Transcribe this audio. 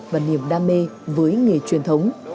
và niềm đam mê với nghề truyền thống